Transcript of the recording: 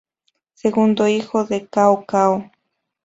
Segundo hijo de Cao Cao.